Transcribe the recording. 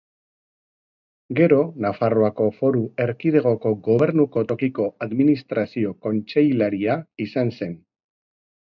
Gero, Nafarroako Foru Erkidegoko Gobernuko Tokiko Administrazio kontseilaria izan zen.